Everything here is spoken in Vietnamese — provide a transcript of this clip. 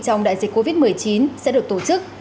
trong đại dịch covid một mươi chín sẽ được tổ chức